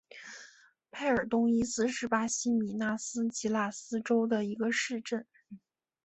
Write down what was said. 佩尔东伊斯是巴西米纳斯吉拉斯州的一个市镇。